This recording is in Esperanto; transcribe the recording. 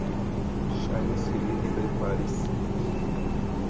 Ŝajnas, ke li ne preparis sin